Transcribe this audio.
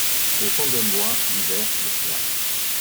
Au fond d’un bois, l’hiver, le soir.